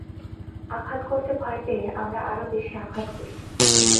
আঘাত করতে ভয় পেয়ে আমরা আরও বেশী আঘাত করি।